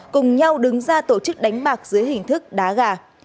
cùng nhau đứng ra tổ chức đánh bạc dưới hình thức đá gà